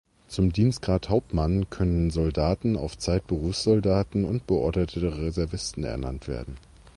Zum Dienstgrad Hauptmann können Soldaten auf Zeit, Berufssoldaten und beorderte Reservisten ernannt werden.